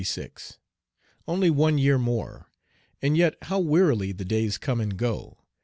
Only one year more; and yet how wearily the days come and go!